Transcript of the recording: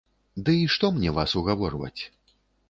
Дый што мне вас угаворваць.